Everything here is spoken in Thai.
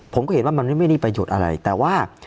ผมก็เห็นว่ามันไม่ได้ประโยชน์อะไรแต่ว่า